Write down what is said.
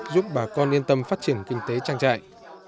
giúp bà con yên tâm phát triển kinh tế trang trại